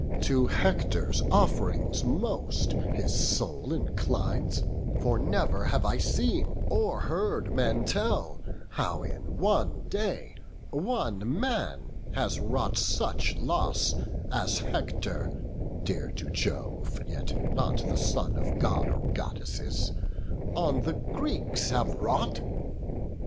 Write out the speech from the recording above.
To Hector's off'rings most his soul inclines; For never have I seen, or heard men tell, How in one day one man has wrought such loss As Hector, dear to Jove, yet not the son Of God or Goddess, on the Greeks has wrought.